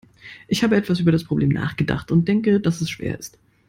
Ich habe etwas über das Problem nachgedacht und denke, dass es schwer ist.